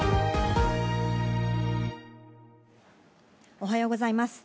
おはようございます。